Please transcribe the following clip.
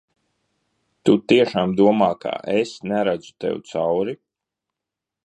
Tu tiešām domā, ka es neredzu tev cauri?